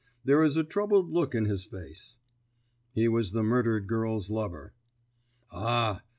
There is a troubled look in his face." "He was the murdered girl's lover." "Ah!